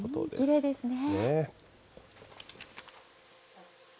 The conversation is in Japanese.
きれいですね。